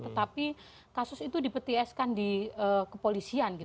tetapi kasus itu dipetieskan di kepolisian